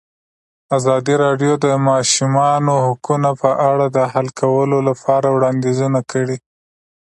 ازادي راډیو د د ماشومانو حقونه په اړه د حل کولو لپاره وړاندیزونه کړي.